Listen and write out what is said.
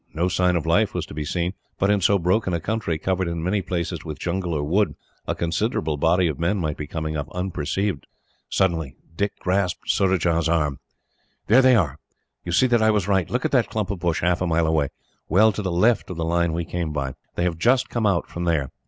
No sign of life was to be seen; but in so broken a country, covered in many places with jungle or wood, a considerable body of men might be coming up, unperceived. Suddenly, Dick grasped Surajah's arm. "There they are. You see that I was right. Look at that clump of bush, half a mile away, well to the left of the line we came by. They have just come out from there.